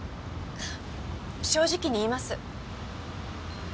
正直に言います。